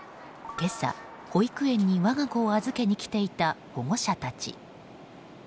今朝、保育園に我が子を預けに来ていた保護者達。